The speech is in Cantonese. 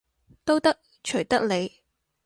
都得，隨得你